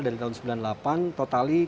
dari tahun sembilan puluh delapan totalnya